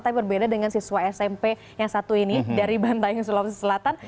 tapi berbeda dengan siswa smp yang satu ini dari bantaing sulawesi selatan